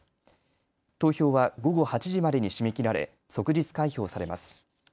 投票は午後８時までに締め切られ即日開票されます。